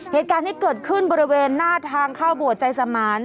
เหตุการณ์ที่เกิดขึ้นบริเวณหน้าทางเข้าบวชใจสมาน